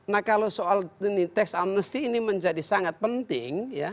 nah kalau soal teks amnesti ini menjadi sangat penting